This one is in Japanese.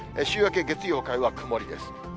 週明け月曜、火曜は曇りです。